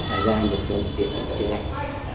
là ra nhân dân điện tử tiếng anh